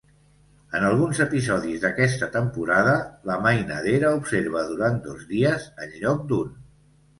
En alguns episodis d'aquesta temporada, la mainadera observa durant dos dies enlloc d'un.